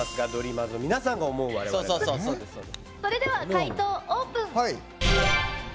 解答、オープン。